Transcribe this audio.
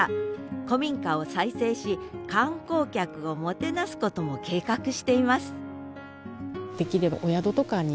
古民家を再生し観光客をもてなすことも計画しています